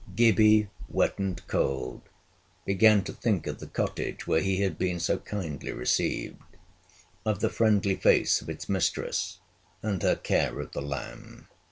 Gibbie, wet and cold, began to think of the cottage where he had been so kindly received, of the friendly face of its mistress, and her care of the lamb.